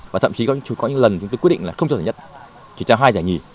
và thậm chí có những lần chúng tôi quyết định là không cho giải nhất thì trao hai giải nhì